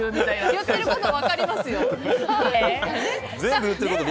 言ってること、分かりますよ。